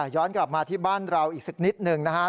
ย้อนกลับมาที่บ้านเราอีกสักนิดหนึ่งนะครับ